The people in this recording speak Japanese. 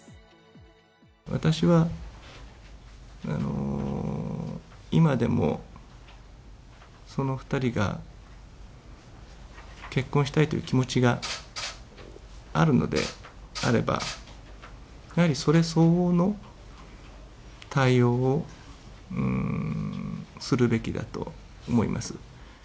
私は今でもその２人が結婚したいという気持ちがあるのであれば、やはりそれ相応の対応をするべきだと思います。